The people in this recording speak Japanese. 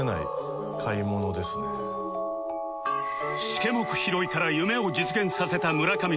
シケモク拾いから夢を実現させた村上さん